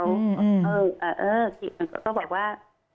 เขาก็บอกว่า